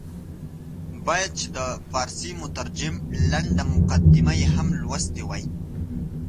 باید چې د فارسي مترجم لنډه مقدمه یې هم لوستې وای.